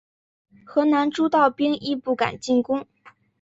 河南诸道兵亦不敢进攻。